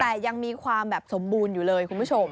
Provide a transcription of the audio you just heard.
แต่ยังมีความแบบสมบูรณ์อยู่เลยคุณผู้ชม